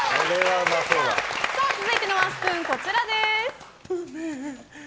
続いてのワンスプーンこちらです。